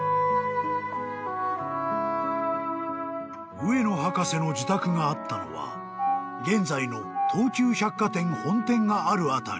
［上野博士の自宅があったのは現在の東急百貨店本店がある辺り］